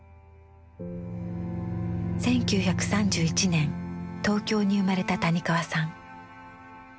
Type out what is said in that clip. １９３１年東京に生まれた谷川さん。